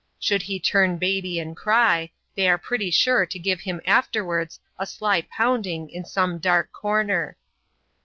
Should he turn baby and cry, they are pretty sure to give him after wards a sly pounding in some dark corner.